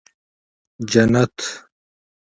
جنت